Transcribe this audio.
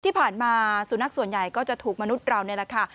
ที่ผ่านมาสุนัขส่วนใหญ่ก็จะถูกมนุษย์เรานี่แหละค่ะ